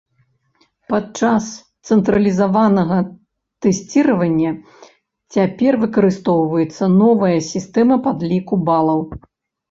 Падчас цэнтралізаванага тэсціравання цяпер выкарыстоўваецца новая сістэма падліку балаў.